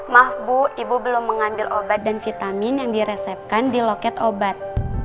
maaf bu ibu belum mengambil obat dan vitamin yang diresepkan di loket obat